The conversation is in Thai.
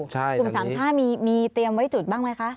กลุ่มสามชาติมีเตรียมไว้จุดบ้างไหมคะ